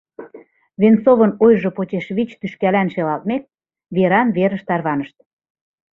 Венцовын ойжо почеш вич тӱшкалан шелалтмек, веран-верыш тарванышт.